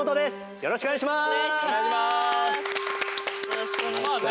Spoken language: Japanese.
よろしくお願いします。